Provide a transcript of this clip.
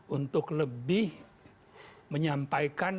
untuk lebih menyampaikan